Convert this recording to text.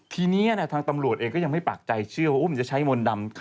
ทีนี้ทางตำรวจอีกยังไม่ปากใจเชื่อว่ามันจะใช้มนต์ได้หรอ